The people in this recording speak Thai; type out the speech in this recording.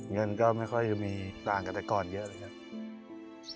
เงินก็ไม่ค่อยจะมีต่างกันแต่ก่อนเยอะเลยครับ